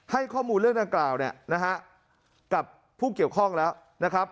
ให้ข้อมูลเรื่องดังกล่าวเนี่ยนะฮะกับผู้เกี่ยวข้องแล้วนะครับ